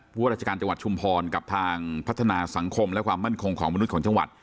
ว่าราชการจังหวัดชุมพรกับทางพัฒนาสังคมและความมั่นคงของมนุษย์ของจังหวัด